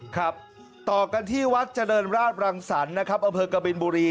ครับต่อกันที่วัดเจริญราชรังสรรค์นะครับอำเภอกบินบุรี